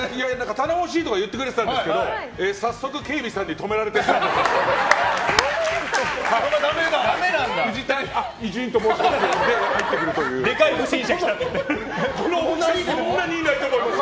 頼もしいとか言ってくれてたんですけど早速、警備さんに止められてしまいました。